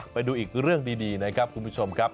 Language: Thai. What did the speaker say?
ไปดูอีกเรื่องดีนะครับคุณผู้ชมครับ